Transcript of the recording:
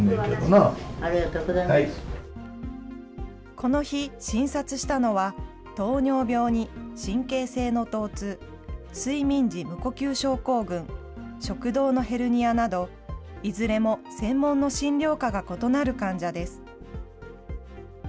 この日、診察したのは、糖尿病に神経性の疼痛、睡眠時無呼吸症候群、食道のヘルニアなど、いずれも専門の診療科が異なる患者です。